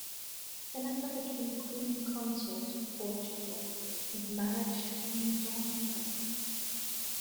Philippa became Queen consort of Portugal through her marriage to King John the First.